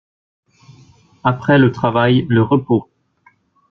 Après le travail le repos.